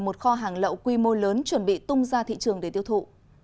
một kho hàng lậu quy mô lớn chuẩn bị tung ra thị trường để tiêu thụ